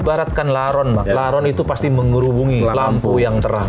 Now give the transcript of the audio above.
baratkan laron laron itu pasti mengurubungi lampu yang terang